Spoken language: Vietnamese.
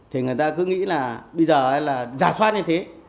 thì người ta cứ nghĩ là bây giờ là giả soát như thế